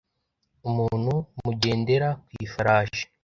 umuntu m ugendera ku ifarashi